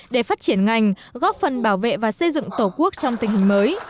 để phát triển ngành góp phần bảo vệ và xây dựng tổ quốc trong tình hình mới